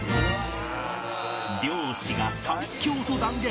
猟師が最強と断言！